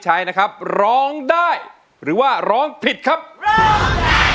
จะจากร้องได้ให้ร้องได้